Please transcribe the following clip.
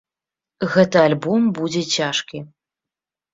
Гэты альбом будзе цяжкі.